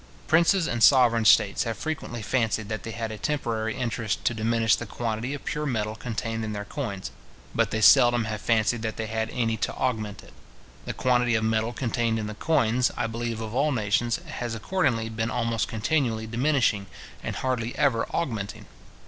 Princes and sovereign states have frequently fancied that they had a temporary interest to diminish the quantity of pure metal contained in their coins; but they seldom have fancied that they had any to augment it. The quantity of metal contained in the coins, I believe of all nations, has accordingly been almost continually diminishing, and hardly ever augmenting.